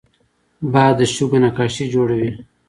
باد د شګو نقاشي جوړوي